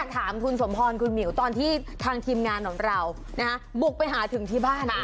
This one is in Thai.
ถามคุณสมพรคุณหมิวตอนที่ทางทีมงานของเราบุกไปหาถึงที่บ้าน